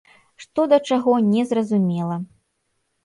Што да чаго не зразумела.